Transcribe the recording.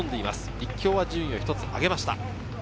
立教は順位を１つ上げました。